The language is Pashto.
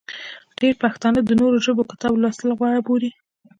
ډېری پښتانه د نورو ژبو کتب لوستل غوره بولي.